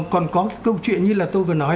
còn có câu chuyện như là tôi vừa nói